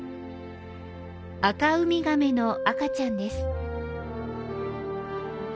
アカウミガメの赤ちゃんです。